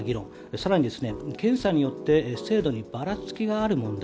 更に、検査によって精度にばらつきがある問題。